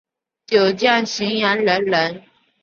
九江浔阳人人。